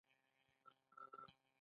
ټوکر د خیاط لپاره د کار موضوع ګڼل کیږي.